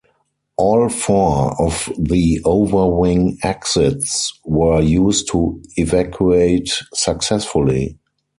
All four of the overwing exits were used to evacuate successfully.